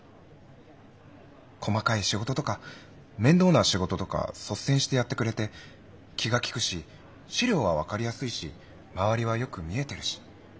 細かい仕事とか面倒な仕事とか率先してやってくれて気が利くし資料は分かりやすいし周りはよく見えてるし。